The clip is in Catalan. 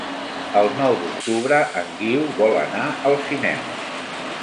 El nou d'octubre en Guiu vol anar al cinema.